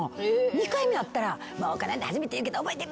２回目会ったら初めて言うけど覚えてる。